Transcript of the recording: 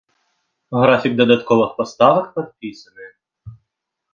Графік дадатковых паставак падпісаны.